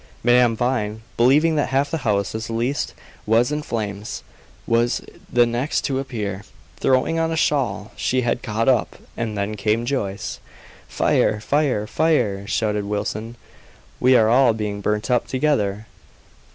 Madame Vine, believing that half the house as least was in flames, was the next to appear, throwing on a shawl she had caught up, and then came Joyce. "Fire! fire! fire!" shouted Wilson; "we are all being burnt up together!"